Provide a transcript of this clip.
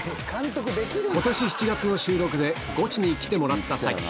ことし７月の収録でゴチに来てもらった際。